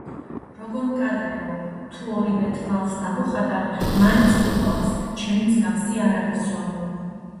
როგორ მკადრეო; თუ ორივე თვალს დავუხატავ, მაინც მომკლავს: ჩემი მსგავსი არ არისო.